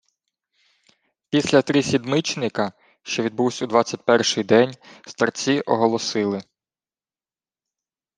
Після трисідмичника, що відбувсь у двадцять перший день, старці оголосили: